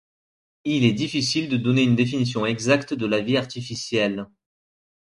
Il est difficile de donner une définition exacte de la vie artificielle.